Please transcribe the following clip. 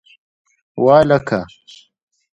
وه هلکه!